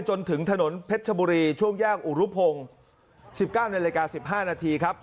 จนถึงถนนเพชรชบุรีช่วงแยกอุรุพงศ์๑๙นาฬิกา๑๕นาทีครับ